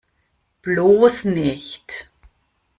Bloß nicht!